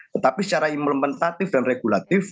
tetapi secara implementatif dan regulatif